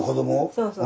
そうそう。